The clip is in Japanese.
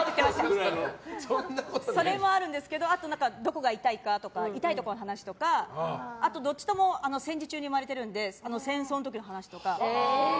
それもあるんですけどあと、どこが痛いかとか痛いところの話とかどっちとも戦時中に生まれてるので戦争の時の話とか。